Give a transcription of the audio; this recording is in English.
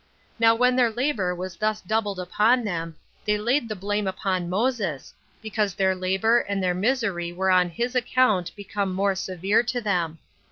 Now when their labor was thus doubled upon them, they laid the blame upon Moses, because their labor and their misery were on his account become more severe to them.